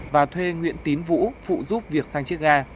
và thuê nguyễn tín vũ phụ giúp việc sang chiếc ga